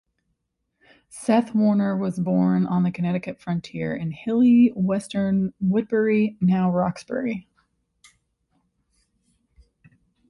Seth Warner was born on the Connecticut frontier in hilly western Woodbury, now Roxbury.